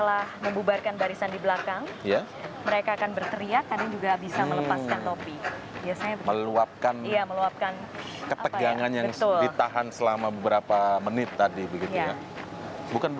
yang akan disampaikan secara langsung